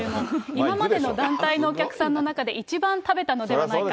今までの団体のお客さんの中で一番食べたのでないか。